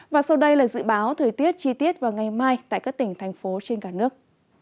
và sau đây là dự báo thời tiết chi tiết vào ngày mai tại các tỉnh thành phố trên cả nước